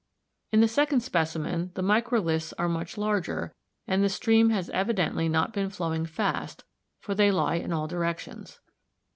In the second specimen (Fig. 42) the microliths are much larger and the stream has evidently not been flowing fast, for they lie in all directions.